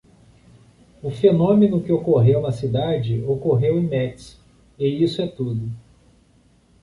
O fenômeno que ocorreu na cidade ocorreu em Metz, e isso é tudo.